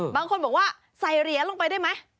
บางคนบอกว่าใส่เหรียญลงไปได้ไหม